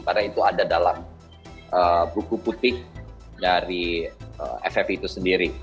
karena itu ada dalam buku putih dari ffi itu sendiri